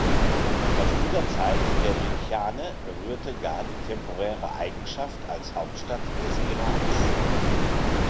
Aus dieser Zeit der Ilchane rührte gar die temporäre Eigenschaft als Hauptstadt des Irans.